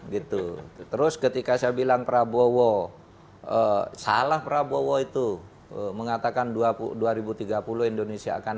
gitu terus ketika saya bilang prabowo salah prabowo itu mengatakan dua puluh dua ribu tiga puluh indonesia akan